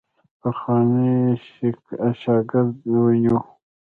پخوانی شاګرد ونیوی.